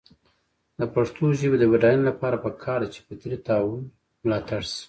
د پښتو ژبې د بډاینې لپاره پکار ده چې فطري تحول ملاتړ شي.